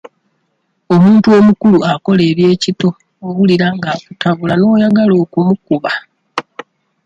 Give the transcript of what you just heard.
Omuntu omukulu nga akola eby'ekito owulira nga akutabula n'oyagala okumukuba.